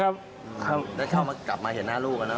ครับครับครับครับครับครับครับครับครับครับครับครับครับครับ